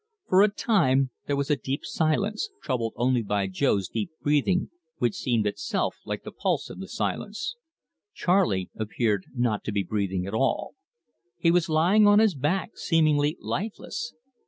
For a time there was a deep silence, troubled only by Jo's deep breathing, which seemed itself like the pulse of the silence. Charley appeared not to be breathing at all. He was lying on his back, seemingly lifeless.